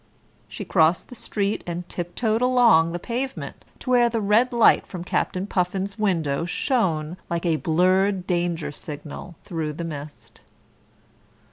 She crossed the street and tip toed along the pavement to where the red light from Captain Puffin's window shone like a blurred danger signal through the mist.